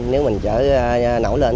nếu mình chở nổ lên